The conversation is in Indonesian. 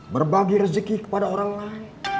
berbagi rezeki kepada orang lain